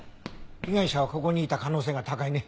被害者はここにいた可能性が高いね。